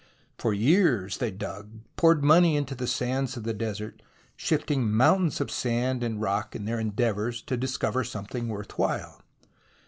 For years they dug, poured money into the sands of the desert, shifting mountains of sand and rock in their endeavours to discover something worth while.